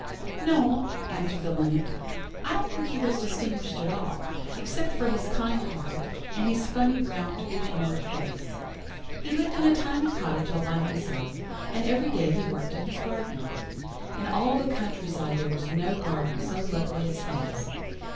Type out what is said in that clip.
"No," answered the Linnet, "I don't think he was distinguished at all, except for his kind heart, and his funny round good humoured face. He lived in a tiny cottage all by himself, and every day he worked in his garden. In all the country side there was no garden so lovely as his.